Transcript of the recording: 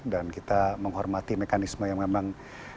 dan kita menghormati mekanisme yang memang